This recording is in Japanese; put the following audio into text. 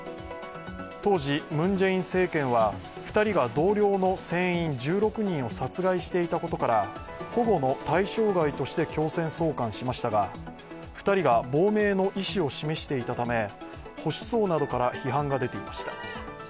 当時、ムン・ジェイン政権は２人が同僚の船員１６人を殺害していたことから保護の対象外として強制送還しましたが、２人が亡命の意思を示していたため保守層などから批判が出ていました。